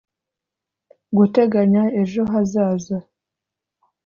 guteganya ejo hazaza